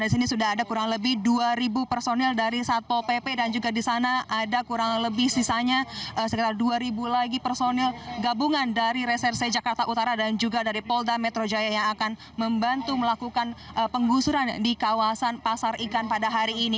di sini sudah ada kurang lebih dua personil dari satpol pp dan juga di sana ada kurang lebih sisanya sekitar dua lagi personil gabungan dari reserse jakarta utara dan juga dari polda metro jaya yang akan membantu melakukan penggusuran di kawasan pasar ikan pada hari ini